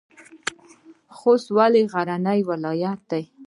خوست ولې غرنی ولایت دی؟